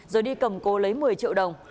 rồi đi cầm cố lấy một mươi triệu đồng